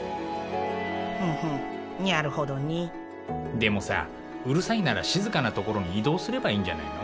でもさうるさいなら静かなところに移動すればいいんじゃないの？